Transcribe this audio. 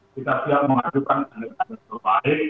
kita siap mengajukan anggota yang terbaik